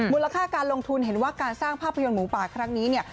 มูลค่าการลงทุนเห็นว่าการสร้างภาพยนตร์หมูป่าครั้งนี้เนี่ย